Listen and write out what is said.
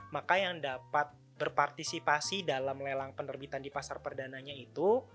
maka yang dapat berpartisipasi dalam lelang penerbitan di pasar perdananya itu